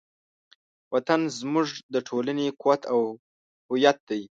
وطن زموږ د ټولنې قوت او هویت دی.